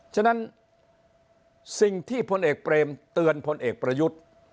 ฉะนั้นสิ่งที่พลเอกเปรมเตือนพลเอกประยุทธ์